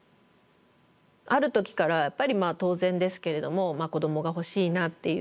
ある時からやっぱり当然ですけれども子どもが欲しいなっていう。